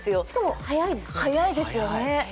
しかも早いですよね。